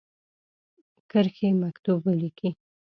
کرښې مکتوب ولیکی.